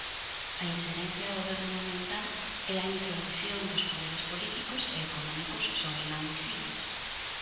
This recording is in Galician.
A inxerencia gobernamental e a intromisión dos poderes políticos e económicos son inadmisibles.